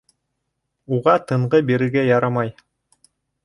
Уға тынғы бирергә ярамай.